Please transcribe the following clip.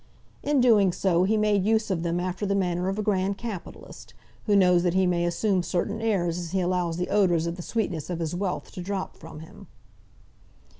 In doing so, he made use of them after the manner of a grand capitalist, who knows that he may assume certain airs as he allows the odours of the sweetness of his wealth to drop from him.